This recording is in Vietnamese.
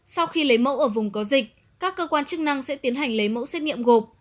sau khi lấy mẫu ở vùng có dịch các cơ quan chức năng sẽ tiến hành lấy mẫu xét nghiệm gộp